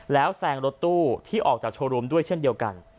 แล้วแซงรถตู้ที่ออกจากโชว์รูมด้วยเช่นเดียวกัน